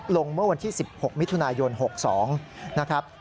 เมื่อวันที่๑๖มิถุนายน๖๒นะครับ